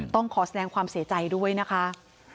ต้องขอแสดงความเสียใจด้วยนะคะ